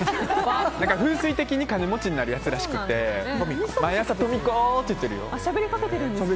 風水的に金持ちになるやつらしくて毎朝トミコって言ってるよ。